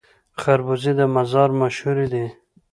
خربوزې د مزار مشهورې دي